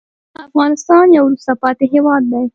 افغانستان یو وروسته پاتې هېواد دی.